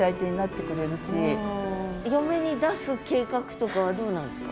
嫁に出す計画とかはどうなんですか？